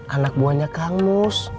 anak buahnya kang mus